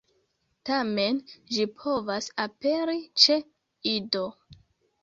Tamen ĝi povas aperi ĉe ido.